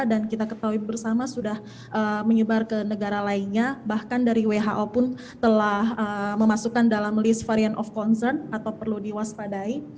dan kita ketahui bersama sudah menyebar ke negara lainnya bahkan dari who pun telah memasukkan dalam list varian of concern atau perlu diwaspadai